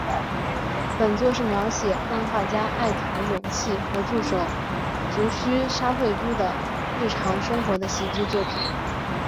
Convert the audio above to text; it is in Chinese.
本作是描写漫画家爱徒勇气和助手足须沙穗都的日常生活的喜剧作品。